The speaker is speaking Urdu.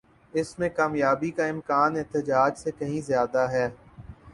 اس میں کامیابی کا امکان احتجاج سے کہیں زیادہ ہے۔